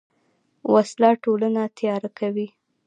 وسله ټولنه تیاره کوي